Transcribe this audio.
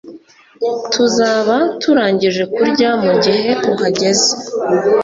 tuzaba turangije kurya mugihe uhageze